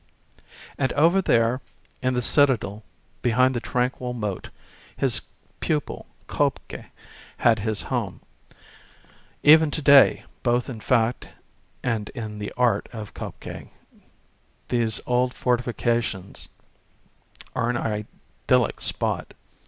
And over there in the Citadel behind the tranquil moat his pupil, K0bke, had his home. Even to day, both in fact and in the art of K0bke, these old fortifications are an idyllic spot.